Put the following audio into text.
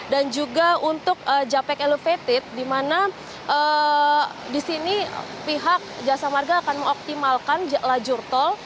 dan juga untuk japek elevated di mana di sini pihak jasa marga akan mengoptimalkan lajur tol